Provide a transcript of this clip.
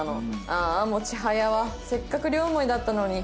ああもうチハヤはせっかく両思いだったのに。